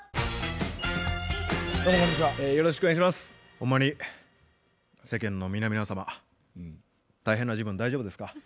ほんまに世間の皆々様大変な時分大丈夫ですか？